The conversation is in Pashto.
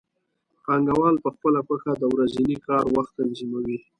پانګوال په خپله خوښه د ورځني کار وخت تنظیموي